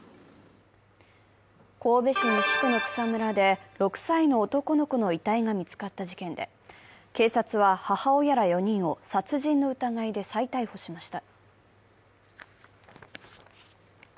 神戸市西区の草むらで６歳の男の子の遺体が見つかった事件で警察は、母親ら４人を殺人の疑いで再逮捕しました。